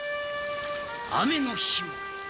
雨の日も。